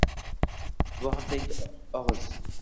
Bu haqda ikkita og'iz